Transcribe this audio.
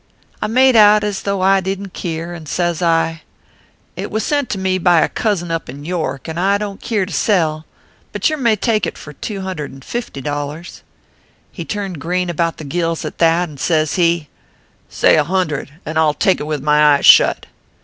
I made out as though I didn t keer, and says I :" c lt was sent to me by a cousin up in York," and I don t keer to sell ; but yer may take it for $250. "He turned green about the gills at that, and says he :" Say $100, and I ll take it with my eyes shut.